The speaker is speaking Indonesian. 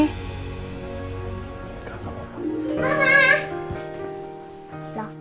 gak gak mau